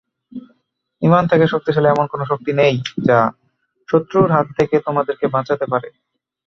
ঈমান থেকে শক্তিশালী এমন কোন শক্তি নেই যা শত্রুর হাত থেকে তোমাদেরকে বাঁচাতে পারে।